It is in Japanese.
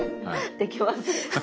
できます。